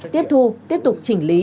tiếp thu tiếp tục chỉnh lý